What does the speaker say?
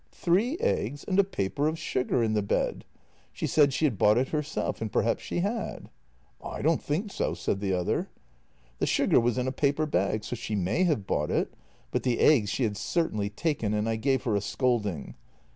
Three eggs and a paper of sugar in the bed. She said she had bought it herself — and perhaps she had." " I don't think so," said the other. " The sugar was in a paper bag, so she may have bought it, but the eggs she had certainly taken, and I gave her a scolding.